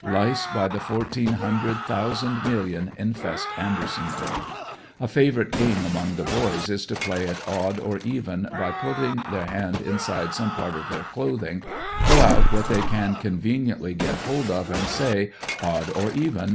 Lice by the fourteen hundred thousand million infest Andersonville. A favorite game among the boys is to play at odd or even, by putting their hand inside some part of their clothing, pull out what they can conveniently get hold of and say ''odd or even?"